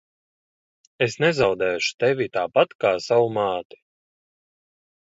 Es nezaudēšu tevi tāpat kā savu māti.